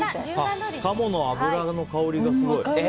鴨の脂の香りがすごい。